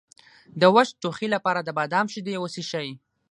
د وچ ټوخي لپاره د بادام شیدې وڅښئ